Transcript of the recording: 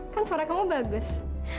kan suara kamu bagus